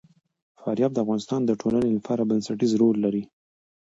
فاریاب د افغانستان د ټولنې لپاره بنسټيز رول لري.